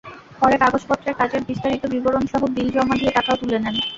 পরে কাগজপত্রে কাজের বিস্তারিত বিবরণসহ বিল জমা দিয়ে টাকাও তুলে নেন।